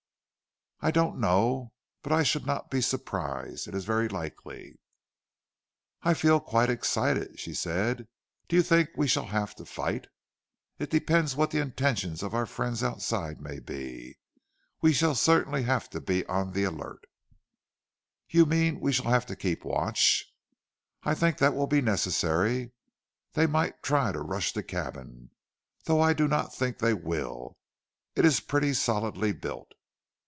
"I don't know, but I should not be surprised. It is very likely." "I feel quite excited," she said. "Do you think we shall have to fight?" "It depends what the intentions of our friends outside may be. We shall certainly have to be on the alert." "You mean we shall have to keep watch." "That I think will be necessary. They might try to rush the cabin, though I do not think they will. It is pretty solidly built."